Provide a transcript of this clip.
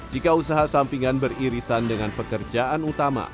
jika usaha sampingan beririsan dengan pekerjaan utama